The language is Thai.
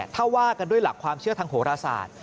ถ้าว่ากันด้วยหลักความเชื่อทางโหรศาสตร์